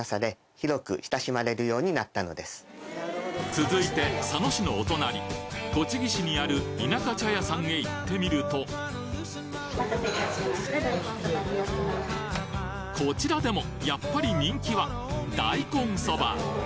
続いて佐野市のお隣栃木市にある田舎茶屋さんへ行ってみるとこちらでもやっぱり人気は大根そば